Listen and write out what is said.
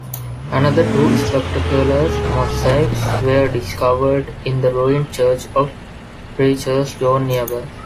Another two spectacular mosaics were discovered in the ruined Church of Preacher John nearby.